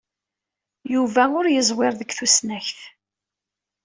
Yuba ur yeẓwir deg tusnakt.